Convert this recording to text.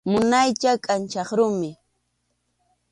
Munaycha kʼanchaq rumi.